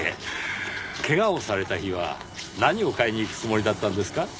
怪我をされた日は何を買いに行くつもりだったんですか？